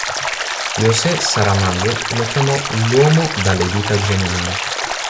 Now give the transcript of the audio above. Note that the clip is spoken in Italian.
José Saramago lo chiamò "l'uomo dalle dita geniali".